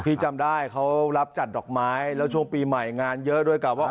จำได้เขารับจัดดอกไม้แล้วช่วงปีใหม่งานเยอะด้วยกับว่า